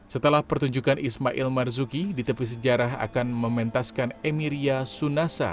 setelah pertunjukan ismail marzuki di tepi sejarah akan mementaskan emiria sunasa